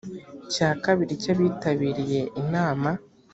cya kabiri cy abitabiriye inama